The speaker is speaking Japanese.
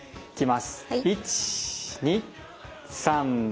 １２３４